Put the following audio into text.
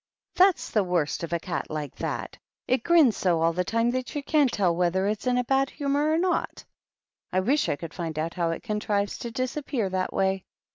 " That's the worst of a cat like that ; it grina bo all the time that you can't tell whether it's in a bad humor or not. I wish I could find out how it contrives to disappear that way."